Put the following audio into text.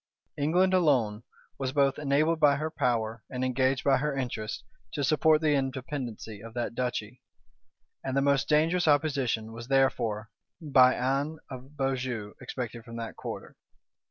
England, alone, was both enabled by her power, and engaged by her interests, to support the independency of that duchy; and the most dangerous opposition was therefore, by Anne of Beaujeu, expected from that quarter.